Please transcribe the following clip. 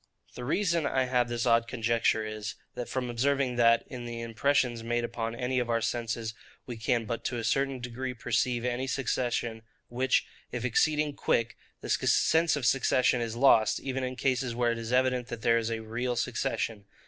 The reason I have for this odd conjecture is, from observing that, in the impressions made upon any of our senses, we can but to a certain degree perceive any succession; which, if exceeding quick, the sense of succession is lost, even in cases where it is evident that there is a real succession.